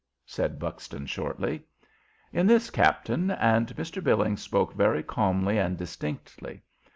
said Buxton, shortly. "In this, captain;" and Mr. Billings spoke very calmly and distinctly.